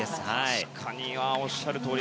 確かにおっしゃるとおり。